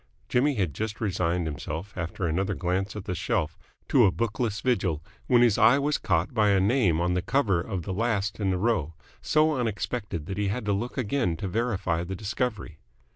Jimmy had just resigned himself, after another glance at the shelf, to a bookless vigil, when his eye was caught by a name on the cover of the last in the row so unexpected that he had to look again to verify the discovery.